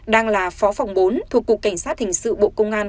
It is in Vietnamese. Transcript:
đang là phó phòng bốn thuộc cục cảnh sát hình sự bộ công an